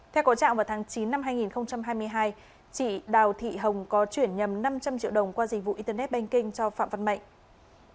theo có trạng vào tháng chín năm hai nghìn hai mươi hai chị đào thị hồng có chuyển nhầm năm trăm linh triệu đồng qua dịch vụ internet banking cho phạm văn mạnh